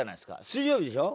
水曜日でしょ？